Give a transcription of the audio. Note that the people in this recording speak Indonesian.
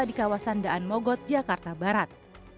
di kawasan daan mogot jakarta barat